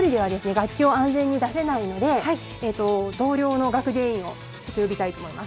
楽器を安全に出せないので同僚の学芸員をちょっと呼びたいと思います。